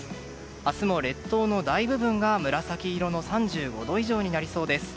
明日も列島の大部分が紫色の３５度以上になりそうです。